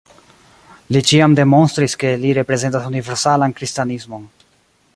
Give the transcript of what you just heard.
Li ĉiam demonstris, ke li reprezentas la universalan kristanismon.